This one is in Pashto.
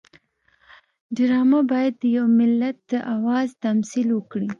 ډرامه باید د یو ملت د آواز تمثیل وکړي